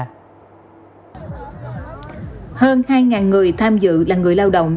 ở hơn hai ngàn người tham dự là người lao động